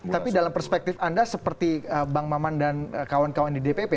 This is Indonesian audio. tapi dalam perspektif anda seperti bang maman dan kawan kawan di dpp